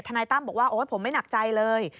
นายตั้มบอกว่าโอ๊ยผมไม่หนักใจเลย